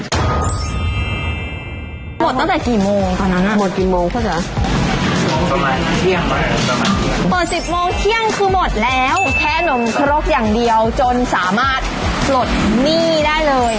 หมดตั้งแต่กี่โมงตอนนั้นอ่ะ